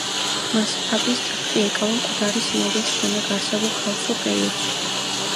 მას პაპის ტახტი ეკავა მკვდარი სინოდის შემდეგ არსებულ ქაოსურ პერიოდში.